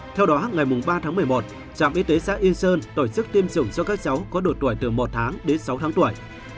theo đó ngày ba tháng một mươi một trạm y tế xã yên sơn tổ chức tiêm chủng cho các cháu có độ tuổi từ một tháng đến sáu tháng tuổi